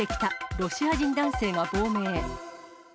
ロシア人男性が亡命。